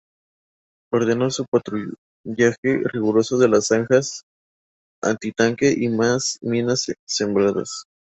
Ordenó un patrullaje riguroso de las zanjas antitanque y más minas sembradas.